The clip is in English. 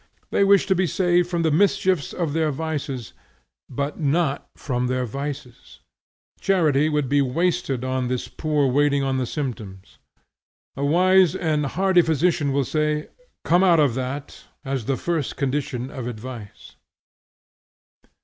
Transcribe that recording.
They wish to be saved from the mischiefs of their vices, but not from their vices. Charity would be wasted on this poor waiting on the symptoms. A wise and hardy physician will say, Come out of that, as the first condition of advice.